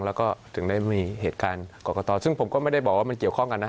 แล้วก็ถึงได้มีเหตุการณ์กรกตซึ่งผมก็ไม่ได้บอกว่ามันเกี่ยวข้องกันนะ